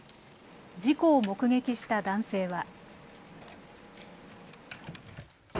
事故を目撃した男性は。